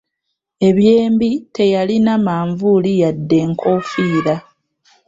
Eby'embi teyalina manvuuli yadde nkoofiira.